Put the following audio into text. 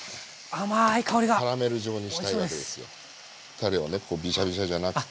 たれをねビシャビシャじゃなくて。